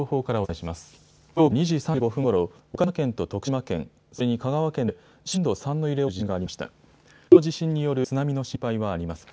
きょう午後２時３５分ごろ、岡山県と徳島県、それに香川県で震度３の揺れを観測する地震がありました。